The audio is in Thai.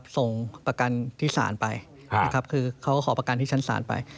ส่งประกันที่สารไปคือเขาก็ขอประกันที่ชั้นสารไป